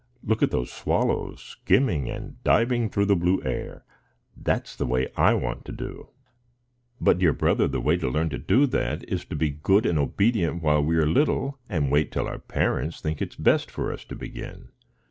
Look at those swallows, skimming and diving through the blue air! That's the way I want to do." "But, dear brother, the way to learn to do that is to be good and obedient while we are little, and wait till our parents think it best for us to begin."